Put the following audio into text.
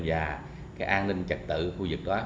và cái an ninh trật tự khu vực đó